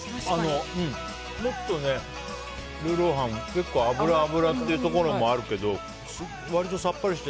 もっとね、ルーロー飯、結構脂、脂っていうところもあるけど割とさっぱりして。